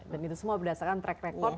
dan itu semua berdasarkan track record